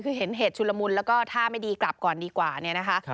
คือเห็นเหตุชุลมุนแล้วก็ท่าไม่ดีกลับก่อนดีกว่าเนี่ยนะคะ